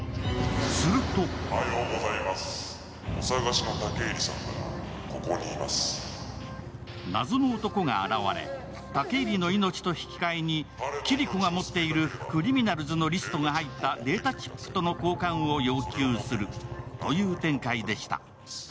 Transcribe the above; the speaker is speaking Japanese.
すると謎の男が現れ、武入の命と引き換えにキリコが持っているクリミナルズのリストが入ったデータチップとの交換を要求するという展開でした。